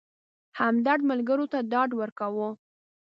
همدرد ملګرو ته ډاډ ورکاوه.